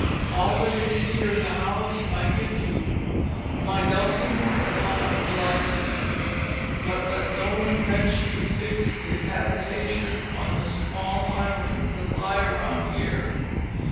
All that is here in the house I give you; my dulcimer alone will I keep. But let no one venture to fix his habitation on the small islands that lie around here.